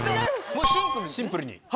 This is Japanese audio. もうシンプルに。